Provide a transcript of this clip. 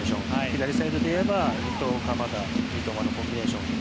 左サイドでいえば伊藤、鎌田、三笘のコンビネーション。